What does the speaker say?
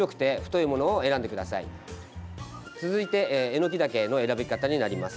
続いてえのきだけの選び方になります。